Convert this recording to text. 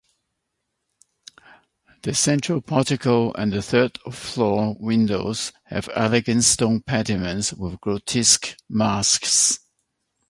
The central portico and third floor windows have elegant stone pediments with grotesque masks.